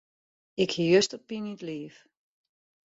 Ik hie juster pine yn 't liif.